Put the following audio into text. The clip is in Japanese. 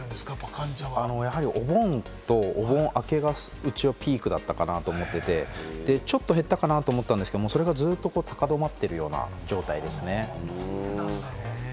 患者は。お盆とお盆明けが、うちはピークだったかなと思っていて、ちょっと減ったかなと思ったんですけれども、それが高まっているような状態ですね。